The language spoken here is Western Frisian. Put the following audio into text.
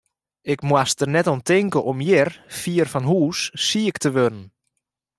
Ik moast der net oan tinke om hjir, fier fan hús, siik te wurden.